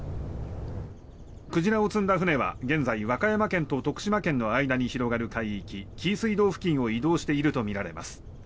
鯨を積んだ船は現在、和歌山県と徳島県の間に広がる海域紀伊水道付近を移動しているとみられます。